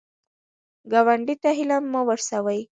ګاونډي ته هیله مه ورسوې